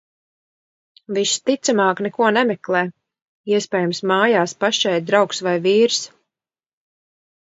Visticamāk neko nemeklē, iespējams mājās pašai draugs vai vīrs.